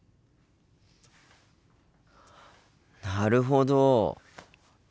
なるほど。